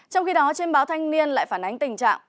trong khi đó trên báo thanh niên lại phản ánh tình trạng